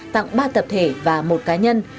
tặng ba tập thể và một cá nhân